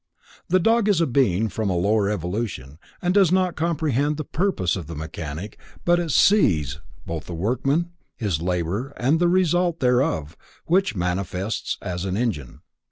The dog is a being from a lower evolution and does not comprehend the purpose of the mechanic but it sees both the workman, his labor and the result thereof, which manifests as an engine.